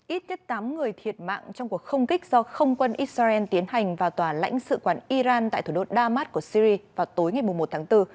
ít nhất tám người thiệt mạng trong cuộc không kích do không quân israel tiến hành vào tòa lãnh sự quản iran tại thủ đô damas của syri vào tối ngày một tháng bốn